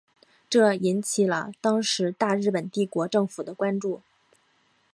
这引起了当时大日本帝国政府的关注。